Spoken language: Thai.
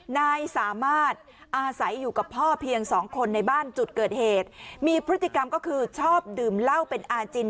นายสามารถอาศัยอยู่กับพ่อเพียงสองคนในบ้านจุดเกิดเหตุมีพฤติกรรมก็คือชอบดื่มเหล้าเป็นอาจิน